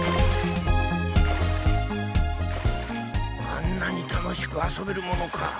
あんなに楽しく遊べるものか。